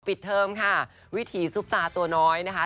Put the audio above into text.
เทิมค่ะวิถีซุปตาตัวน้อยนะคะ